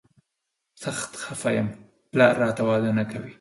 سخت خفه یم، پلار راته واده نه کوي.